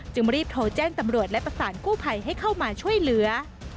รีบโทรแจ้งตำรวจและประสานกู้ภัยให้เข้ามาช่วยเหลือ